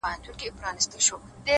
صبر د بریا خاموش ملګری دی؛